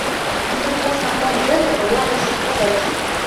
Ну дык вось наконт гэтага я хачу сказаць.